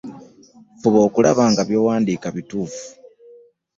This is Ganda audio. Fuba okulaba nga byowandiika bituufu .